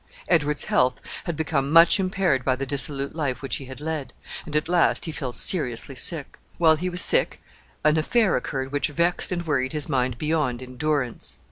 Edward's health had become much impaired by the dissolute life which he had led, and at last he fell seriously sick. While he was sick, an affair occurred which vexed and worried his mind beyond endurance.